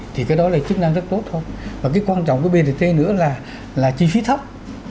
thì cái đó là chức năng rất tốt thôi và cái quan trọng của brt nữa là chi phí thấp